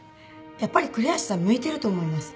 やっぱり栗橋さん向いてると思います。